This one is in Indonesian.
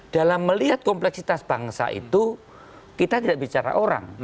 dalam melihat kompleksitas bangsa itu kita tidak bicara orang